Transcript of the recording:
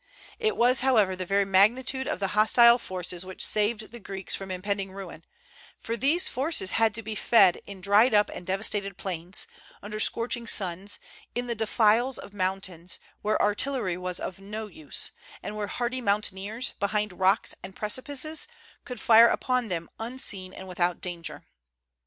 It was, however, the very magnitude of the hostile forces which saved the Greeks from impending ruin; for these forces had to be fed in dried up and devastated plains, under scorching suns, in the defiles of mountains, where artillery was of no use, and where hardy mountaineers, behind rocks and precipices, could fire upon them unseen and without danger.